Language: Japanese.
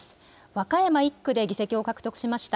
和歌山１区で議席を獲得しました。